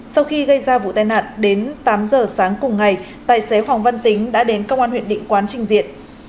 sau khi gây ra vụ tai nạn đến tám giờ sáng cùng ngày tài xế hoàng văn tính đã đến công an huyện định quán trình diện